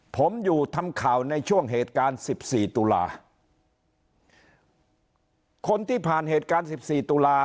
ผมอยู่ทำข่าวในช่วงเหตุการณ์๑๔ตุลาคนที่ผ่านเหตุการณ์๑๔ตุลา